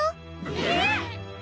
えっ！？